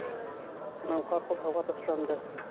Унан ҡапыл һыуға ташланды.